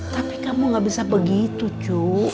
tapi kamu gak bisa begitu cu